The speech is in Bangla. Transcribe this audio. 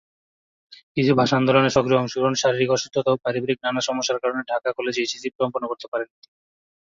কিন্তু ভাষা আন্দোলনে সক্রিয় অংশগ্রহণ, শারীরিক অসুস্থতা ও পারিবারিক নানা সমস্যার কারণে ঢাকা কলেজে এইচএসসি সম্পন্ন করতে পারেন নি তিনি।